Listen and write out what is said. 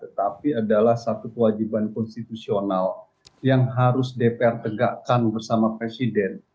tetapi adalah satu kewajiban konstitusional yang harus dpr tegakkan bersama presiden